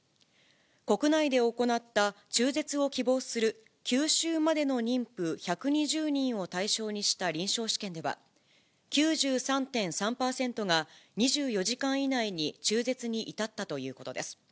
国内で行った中絶を希望する９週までの妊婦１２０人を対象にした臨床試験では、９３．３％が２４時間以内に中絶に至ったということです。